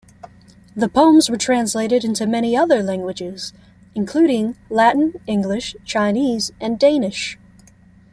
The poems were translated into many other languages, including Latin, English, Chinese and Danish.